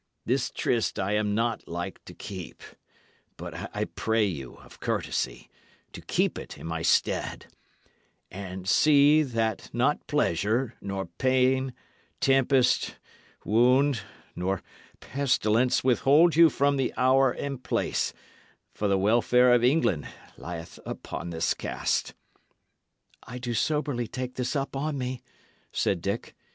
This tryst I am not like to keep, but I pray you, of courtesy, to keep it in my stead; and see that not pleasure, nor pain, tempest, wound, nor pestilence withhold you from the hour and place, for the welfare of England lieth upon this cast." "I do soberly take this up on me," said Dick.